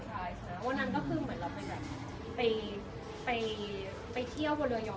วันนั้นก็คือเหมือนเราไปเที่ยวบนเรือย้อ